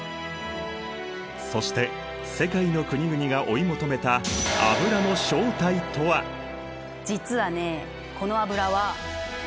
そして世界の国々が追い求めた実はねこの油は。